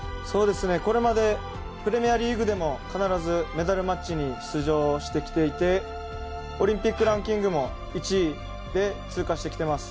これまでプレミアリーグでも必ずメダルマッチに出場してきていてオリンピックランキングも１位で通過してきています。